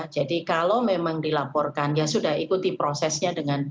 jadi kalau memang dilaporkan ya sudah ikuti prosesnya